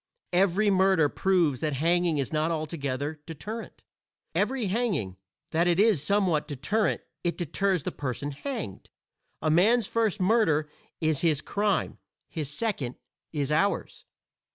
Every murder proves that hanging is not altogether deterrent; every hanging, that it is somewhat deterrent it deters the person hanged. A man's first murder is his crime, his second is ours.